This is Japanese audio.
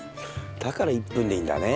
だから１分でいいんだね。